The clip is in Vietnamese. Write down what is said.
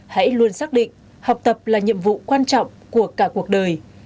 hãy luôn xác định học tập là nhiệm vụ quan trọng của cả cuộc đời